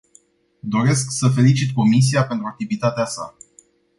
Doresc să felicit comisia pentru activitatea sa.